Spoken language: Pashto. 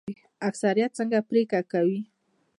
اکثریت څنګه پریکړه کوي؟